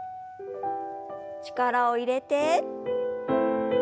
力を入れて。